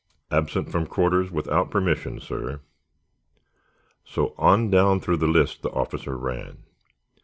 "Absent from quarters without permission, sir." So on down through the list the officer ran.